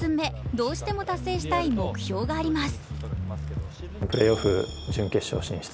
どうしても達成したい目標があります。